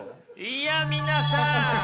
いや皆さん！